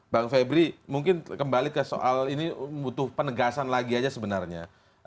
bang febri mungkin kembali ke soal ini butuh penegasan lagi aja sebenarnya